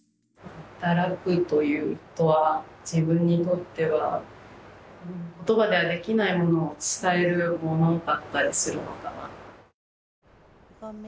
働くということは自分にとっては言葉ではできないものを伝えるものだったりするのかな。